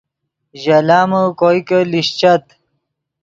ژے لامے کوئے کہ لیشچت